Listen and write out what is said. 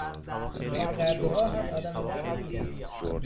آنقدرها هم آدم بدی نیست.